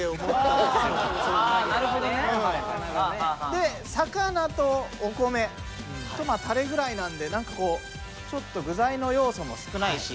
で魚とお米とまあタレぐらいなのでなんかこうちょっと具材の要素も少ないし。